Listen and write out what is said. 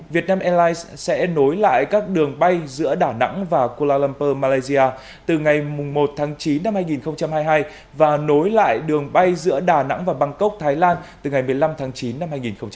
việt nam airlines sẽ nối lại các đường bay giữa đà nẵng và kuala lumpur malaysia từ ngày một tháng chín năm hai nghìn hai mươi hai và nối lại đường bay giữa đà nẵng và bangkok thái lan từ ngày một mươi năm tháng chín năm hai nghìn hai mươi